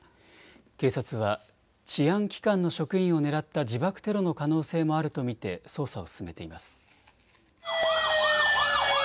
警察は治安機関の職員を狙った自爆テロの可能性もあると見て捜査を進めています。